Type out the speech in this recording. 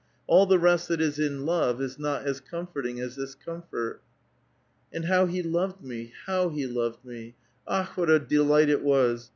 All the rest that ^ in love is not as comforting as this comfort. '* And how he loved me ! how he loved me ! Akh! what a delight it was